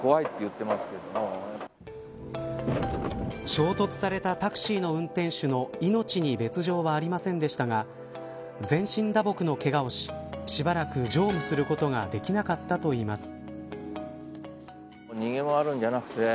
衝突されたタクシーの運転手の命に別条はありませんでしたが全身打撲のけがをししばらく乗務することができなかったといいます。